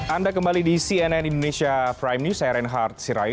anda kembali di cnn indonesia prime news saya reinhard sirai